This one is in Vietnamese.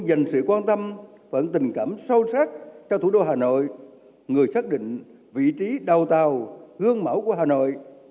dành sự quan tâm và tình cảm sâu sắc cho thủ đô hà nội người xác định vị trí đầu tàu gương mẫu của hà nội